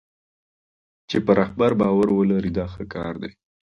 چې په رهبر باور ولري دا ښه کار دی.